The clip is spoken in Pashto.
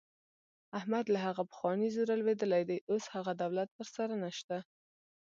احمد له هغه پخواني زوره لوېدلی دی. اوس هغه دولت ورسره نشته.